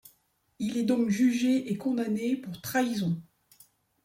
Il est donc jugé et condamné pour trahison.